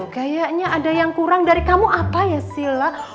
kayaknya ada yang kurang dari kamu apa ya sila